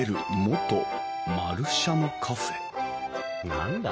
何だ？